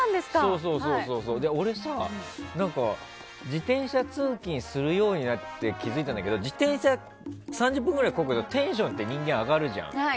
俺、自転車通勤するようになって気づいたんだけど自転車を３０分ぐらいこぐとテンションが人間、上がるじゃん。